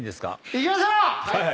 いきましょう！